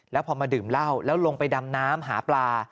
แล้วพอมาดื่มเหล้าแล้วลงไปดำน้ำหาปลา